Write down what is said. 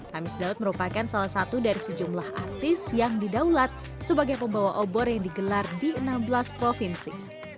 hamis daud merupakan salah satu dari sejumlah artis yang didaulat sebagai pembawa obor yang digelar di enam belas provinsi